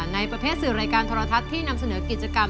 ในประเภทสื่อรายการโทรทัศน์ที่นำเสนอกิจกรรม